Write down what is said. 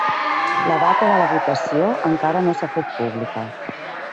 La data de la votació encara no s’ha fet pública.